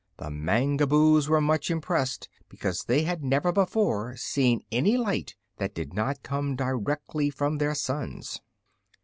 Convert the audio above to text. The Mangaboos were much impressed because they had never before seen any light that did not come directly from their suns.